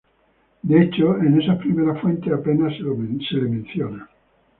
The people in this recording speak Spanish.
De hecho, en esas primeras fuentes apenas se lo menciona.